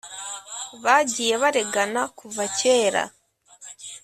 bagiye baregana kuva kera